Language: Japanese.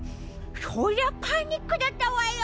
そりゃパニックだったわよ。